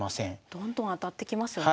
どんどん当たってきますよね。